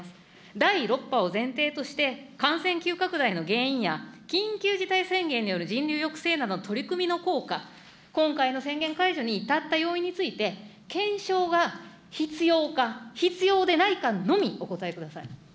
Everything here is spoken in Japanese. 第６波を前提として、感染急拡大の原因や緊急事態宣言による人流抑制などの取り組みの効果、今回の宣言解除に至った要因について、検証が必要か、必要でないかのみお答えください。